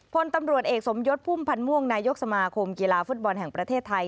พลตำรวจเอกสมยศพุ่มพันธ์ม่วงนายกสมาคมกีฬาฟุตบอลแห่งประเทศไทย